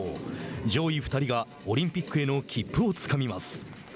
上位２人がオリンピックへの切符をつかみます。